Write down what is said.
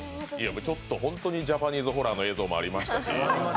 本当にジャパニーズホラーの映像もありましたし。